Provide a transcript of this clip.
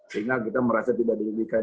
sehingga kita merasa tidak di rubikin